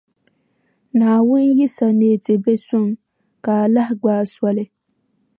Naawuni yi sa neei ti biɛʼ suŋ ka a lahi gbaai soli.